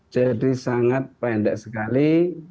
jadi sangat pendek sekali